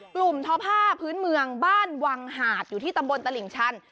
ทอผ้าพื้นเมืองบ้านวังหาดอยู่ที่ตำบลตลิ่งชัน